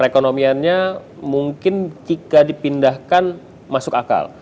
perekonomiannya mungkin jika dipindahkan masuk akal